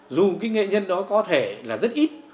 dù cái nghệ nhân đó có thể là rất ít